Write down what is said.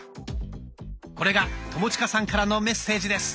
これが友近さんからのメッセージです。